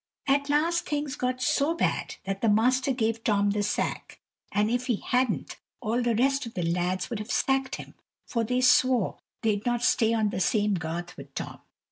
At last, things got so bad that the master gave Tom the sack, and if he hadn't, all the rest of the lads would have sacked him, for they swore they'd not stay on the same garth with Tom.